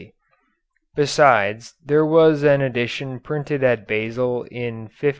Besides there was an edition printed at Basel in 1540.